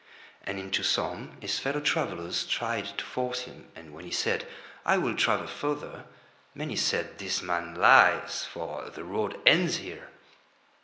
And into some his fellow travellers tried to force him, and when he said: "I will travel further," many said: "This man lies, for the road ends here."